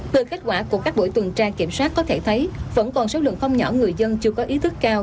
từ kết quả của các buổi tuần tra kiểm soát có thể thấy vẫn còn số lượng không nhỏ người dân chưa có ý thức cao